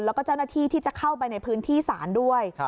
แล้วก็เจ้าหน้าที่ที่จะเข้าไปในพื้นที่ศาลด้วย